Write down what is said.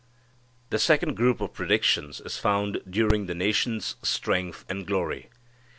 The second group of predictions is found during the nation's strength and glory.